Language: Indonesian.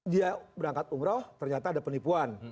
dia berangkat umroh ternyata ada penipuan